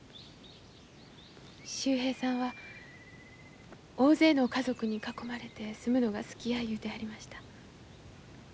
秀平さんは大勢の家族に囲まれて住むのが好きや言うてはりました。